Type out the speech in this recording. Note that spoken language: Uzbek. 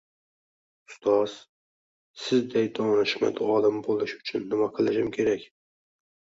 Ustoz, sizday donishmand olim boʻlish uchun nima qilishim kerak